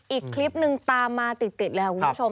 อีกคลิปนึงตามมาติดเลยค่ะคุณผู้ชม